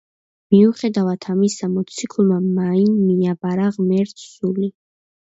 მიუხედავად ამისა მოციქულმა მაინ მიაბარა ღმერთს სული.